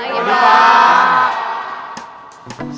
selamat pagi pak